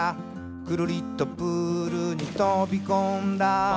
「クルリとプールにとびこんだ」